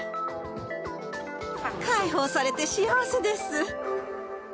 解放されて幸せです。